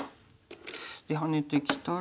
でハネてきたら？